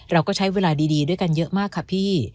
เราก็ใช้เวลาดีด้วยกันเยอะมากค่ะพี่